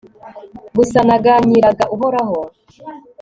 gusa, naganyiraga uhoraho